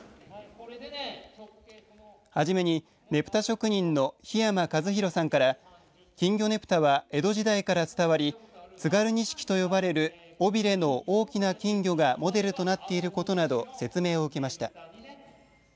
はじめに、ねぷた職人の檜山和大さんから金魚ねぷたは江戸時代から伝わり津軽錦と呼ばれる尾びれの大きな金魚がモデルとなっていることなど説明を受けました。